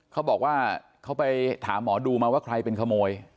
เขาบอกว่าเขาไปถามหมอดูมาว่าใครเป็นขโมย